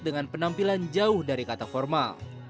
dengan penampilan jauh dari kata formal